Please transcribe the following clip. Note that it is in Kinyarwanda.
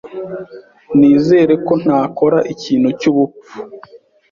Nizere ko ntakora ikintu cyubupfu.